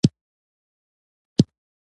د محبوبې په څېره کې راښکاره شوې،